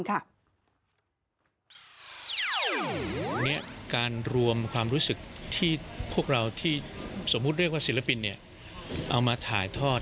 การรวมความรู้สึกที่ซีลพินเอามาถ่ายทอด